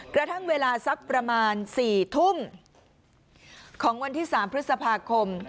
กระทั่งเวลาสักประมาณ๔ทุ่มของวันที่๓พฤษภาคม